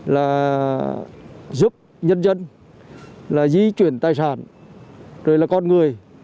là giúp nhân dân là di chuyển tài sản rồi là con người